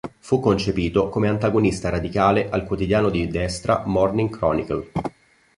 Fu concepito come antagonista radicale al quotidiano di destra "Morning Chronicle".